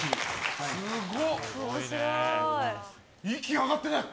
息、上がってない。